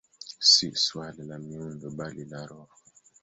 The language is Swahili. Si suala la miundo, bali la roho.